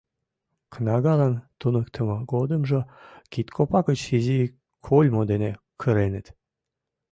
Кнагалан туныктымо годымжо кидкопа гыч изи кольмо дене кыреныт.